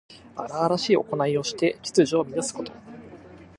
荒々しいおこないをして秩序を乱すこと。